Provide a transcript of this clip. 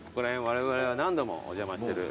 われわれは何度もお邪魔してる。